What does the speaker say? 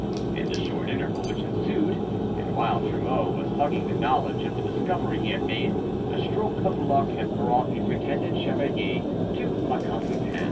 In the short interval which ensued, and while Trumeau was hugging the knowledge of the discovery he had made, a stroke of luck had brought the pretended chevalier to La Constantin.